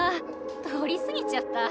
取り過ぎちゃった。